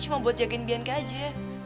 cuma buat jagain beank aja